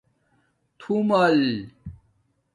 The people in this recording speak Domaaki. تُھومل